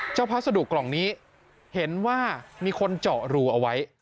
พัสดุกล่องนี้เห็นว่ามีคนเจาะรูเอาไว้